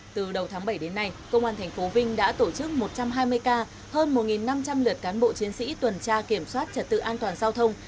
từ đầu tháng bảy đến nay công an tp vinh đã tổ chức một trăm hai mươi ca hơn một năm trăm linh lượt cán bộ chiến sĩ tuần tra kiểm soát trật tự an toàn giao thông